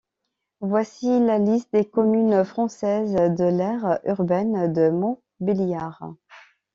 Voici la liste des communes françaises de l'aire urbaine de Montbéliard.